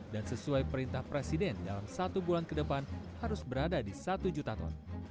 dan sesuai perintah presiden dalam satu bulan ke depan harus berada di satu juta ton